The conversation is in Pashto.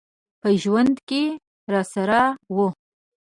په ژوند کي راسره و .